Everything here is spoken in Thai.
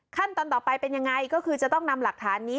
ขั้นตอนต่อไปเป็นยังไงก็คือจะต้องนำหลักฐานนี้